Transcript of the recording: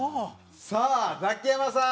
さあザキヤマさん。